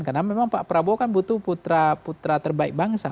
karena memang pak prabowo kan butuh putra putra terbaik bangsa